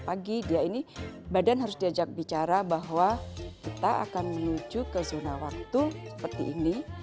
pagi dia ini badan harus diajak bicara bahwa kita akan menuju ke zona waktu seperti ini